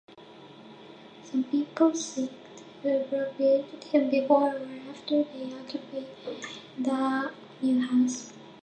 Some people seek to propitiate him before or after they occupy the new house.